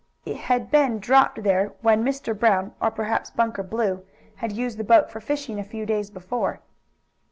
It had been dropped there when Mr. Brown, or perhaps Bunker Blue, had used the boat for fishing a few days before.